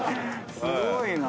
すごいなぁ。